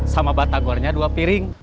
sama batagornya dua piring